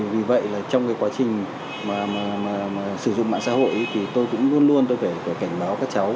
vì vậy là trong cái quá trình mà sử dụng mạng xã hội thì tôi cũng luôn luôn tôi phải cảnh báo các cháu